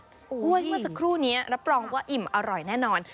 กล้วยเมื่อสักครู่นี้รับรองว่าอิ่มอร่อยแน่นอน